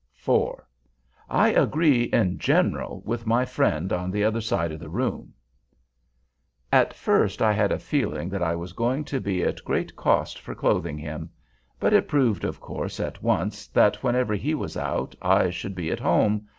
4. "I agree, in general, with my friend on the other side of the room." At first I had a feeling that I was going to be at great cost for clothing him. But it proved, of course, at once, that, whenever he was out, I should be at home.